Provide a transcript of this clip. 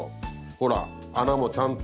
ほら穴もちゃんと。